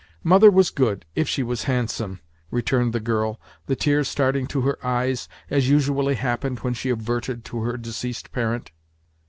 "Mother was good, if she was handsome," returned the girl, the tears starting to her eyes, as usually happened when she adverted to her deceased parent.